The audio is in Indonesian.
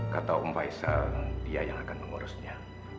kata om faisal dia yang akan mengurusnya